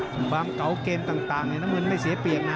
คุณบ็ามเก๋าเกมต่างต่างน้ำเงินไม่เสียเปลี่ยงนะ